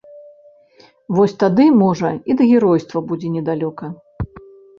Вось тады, можа, і да геройства будзе недалёка!